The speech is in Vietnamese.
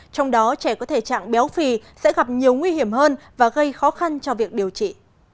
trong đó trẻ có thể trạng béo phì sẽ gặp nhiều nguy hiểm hơn và gây khó khăn cho việc điều trị